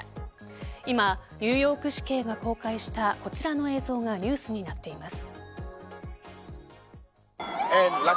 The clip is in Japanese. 今、ニューヨーク市警が公開したこちらの映像がニュースになっています。